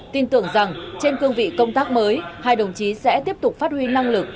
tin tưởng rằng trên cương vị công tác mới hai đồng chí sẽ tiếp tục phát huy năng lực